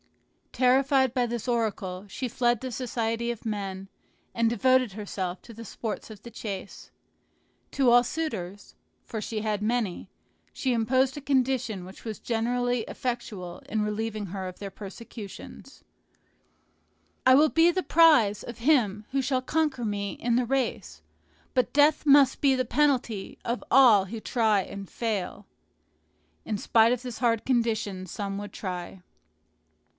Terrified by this oracle, she fled the society of men, and devoted herself to the sports of the chase. To all suitors (for she had many) she imposed a condition which was generally effectual in relieving her of their persecutions, "I will be the prize of him who shall conquer me in the race; but death must be the penalty of all who try and fail." In spite of this hard condition some would try.